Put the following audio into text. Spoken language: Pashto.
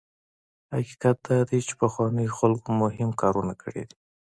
حقیقت دا دی چې پخوانیو خلکو مهم کارونه کړي دي.